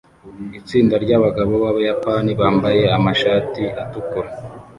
Itsinda ryabagabo b'Abayapani bambaye amashati atukura